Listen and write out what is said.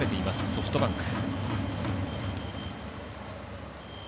ソフトバンク。